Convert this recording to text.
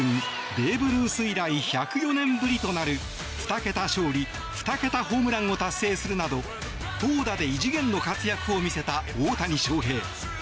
ベーブ・ルース以来１０４年ぶりとなる２桁勝利２桁ホームランを達成するなど投打で異次元の活躍を見せた大谷翔平。